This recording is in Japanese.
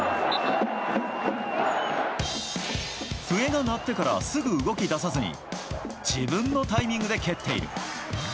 笛が鳴ってからすぐ動きださずに、自分のタイミングで蹴っている。